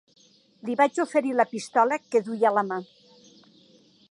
Li vaig oferir la pistola que duia a la mà.